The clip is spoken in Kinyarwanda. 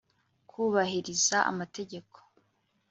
kwubahiriza amategeko